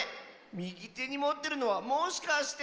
みぎてにもってるのはもしかして。